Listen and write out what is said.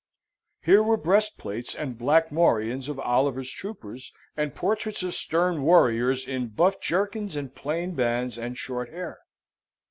Here were breastplates and black morions of Oliver's troopers, and portraits of stern warriors in buff jerkins and plain bands and short hair.